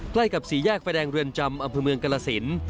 ใกล้กับสี่แยกไฟแดงเรือนจำอำเภอเมืองกรสิน